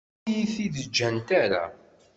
Ur iyi-t-id-ǧǧant ara.